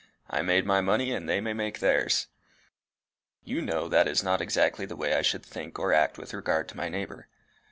I made my own money, and they may make theirs!' You know that is not exactly the way I should think or act with regard to my neighbour.